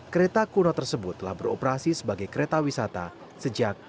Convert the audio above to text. kereta kuno tersebut telah beroperasi sebagai kereta wisata sejak dua ribu dua puluh